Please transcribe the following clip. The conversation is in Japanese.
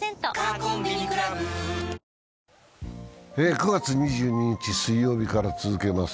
９月２２日水曜日から続けます。